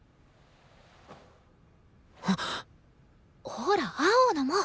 ほら青野も！